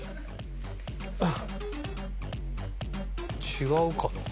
違うかな？